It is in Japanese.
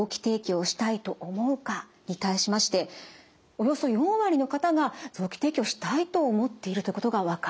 およそ４割の方が臓器提供したいと思っているということが分かりました。